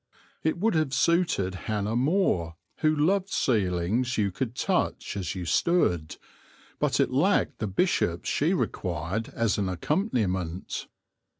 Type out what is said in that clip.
It would have suited Hannah More, who loved ceilings you could touch as you stood, but it lacked the bishops she required as an accompaniment.